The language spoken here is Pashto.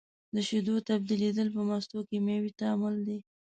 د شیدو تبدیلیدل په مستو کیمیاوي تعامل دی.